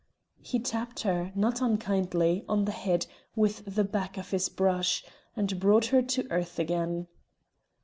He tapped her, not unkindly, on the head with the back of his brush, and brought her to earth again.